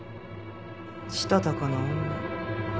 したたかな女。